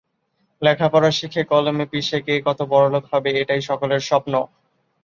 লেখাপড়া শিখে কলম পিষে কে কত বড়লোক হবে এটাই সকলের স্বপ্ন।